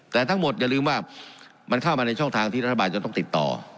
แต่ทั้งหมดอย่าลืมว่ามันเข้ามาในช่องทางที่รัฐบาลจะต้องติดต่อ